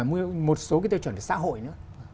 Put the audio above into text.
một số tiêu chuẩn về xã hội nữa